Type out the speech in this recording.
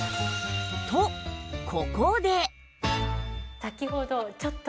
とここで